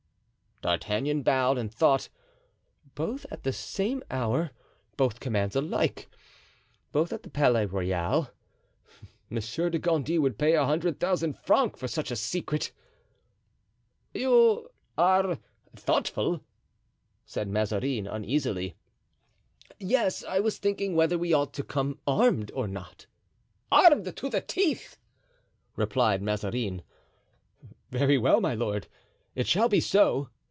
D'Artagnan bowed, and thought: "Both at the same hour; both commands alike; both at the Palais Royal. Monsieur de Gondy would pay a hundred thousand francs for such a secret!" "You are thoughtful," said Mazarin, uneasily. "Yes, I was thinking whether we ought to come armed or not." "Armed to the teeth!" replied Mazarin. "Very well, my lord; it shall be so."